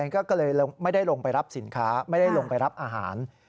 ก็เลยไม่ได้ลงไปรับสินค้าไม่ได้ลงไปรับอาหาร